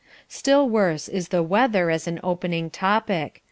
Still worse is the weather as an opening topic.